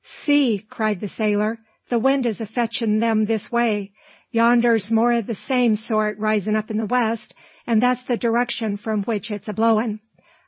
"See!" cried the sailor. "The wind is a fetchin' them this way. Yonder's more o' the same sort risin' up in the west, an' that's the direction from which it's a blowin'.